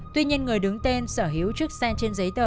tuy nhiên người đứng tên sở hữu chiếc xen trên giấy tờ